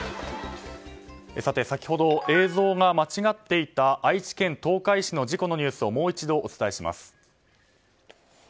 先ほど、映像が間違っていた愛知県東海市の事故のニュースをもう一度、お伝えします。